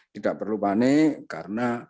tidak perlu panik karena